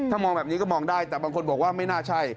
ถ้ามองแบบนี้ก็มองได้แต่บางคนบอกว่าไม่น่าใช่